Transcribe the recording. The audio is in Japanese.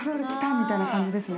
みたいな感じですね